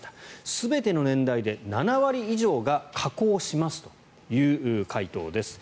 全ての年代で７割以上が加工しますという回答です。